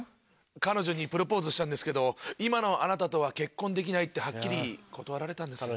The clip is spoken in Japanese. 彼女にプロポーズしたんですけど「今のあなたとは結婚できない」ってハッキリ断られたんです。